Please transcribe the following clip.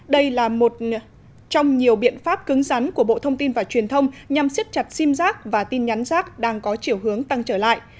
đây là một trong nhiều biện pháp cứng rắn của bộ thông tin và truyền thông nhằm siết chặt sim rác và tin nhắn rác đang có chiều hướng tăng trở lại